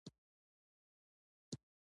• دروغ د ظلم خوراک وي.